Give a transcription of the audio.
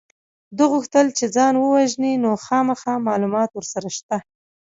ده غوښتل چې ځان ووژني نو خامخا معلومات ورسره شته